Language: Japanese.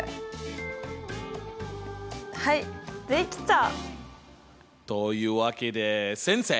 はいできた！というわけで先生。